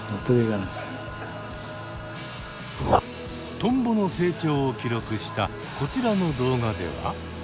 トンボの成長を記録したこちらの動画では。